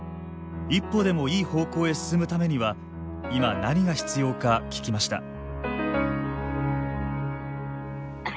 一歩でもいい方向へ進むためにはいま何が必要か聞きました。